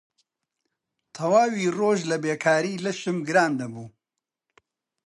تەواوی ڕۆژ لە بێکاری لەشم گران دەبوو